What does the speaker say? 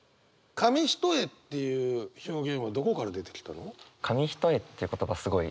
「紙一重」っていう表現はどこから出てきたの？